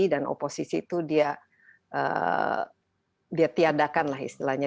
dan oposisi itu dia tiadakan lah istilahnya